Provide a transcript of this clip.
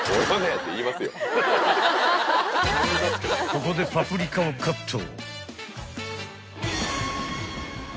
［ここでパプリカをカット］